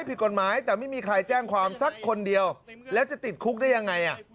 ผิดกฎหมายแต่ไม่มีใครแจ้งความสักคนเดียวแล้วจะติดคุกได้ยังไง